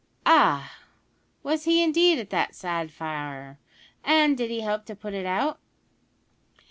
"Ah! was he indeed at that sad fire, and did he help to put it out?"